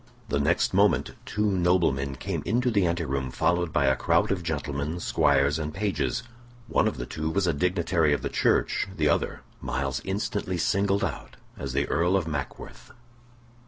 The next moment two noblemen came into the anteroom followed by a crowd of gentlemen, squires, and pages. One of the two was a dignitary of the Church; the other Myles instantly singled out as the Earl of Mackworth.